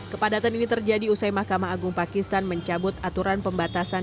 kepadatan ini terjadi usai mahkamah agung pakistan mencabut aturan pembatasan